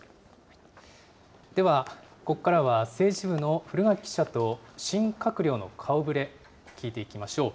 では、ここからは政治部の古垣記者と、新閣僚の顔ぶれ、聞いていきましょう。